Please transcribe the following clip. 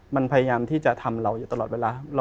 มันพยายามที่จะทำเราอยู่ตลอดเวลา